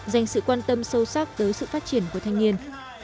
dành sự quan tâm sâu sắc tới sự phát triển của thanh niên